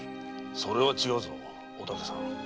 それは違うぞお竹さん。